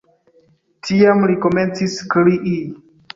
Tiam li komencis krii.